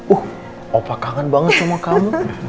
uh opa kangen banget sama kamu